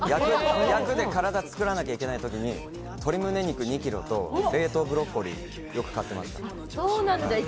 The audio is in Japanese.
役で体を作らなければいけないときに鶏むね肉と冷凍ブロッコリーをよく買っていました。